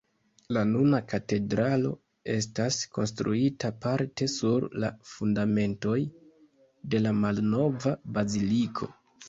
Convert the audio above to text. La nuna katedralo estas konstruita parte sur la fundamentoj de la malnova baziliko.